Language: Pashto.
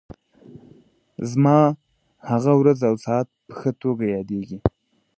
زما هغه ورځ او ساعت په ښه توګه یادېږي.